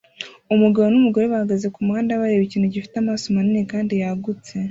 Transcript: Umugabo numugore bahagaze kumuhanda bareba ikintu gifite amaso manini kandi yagutse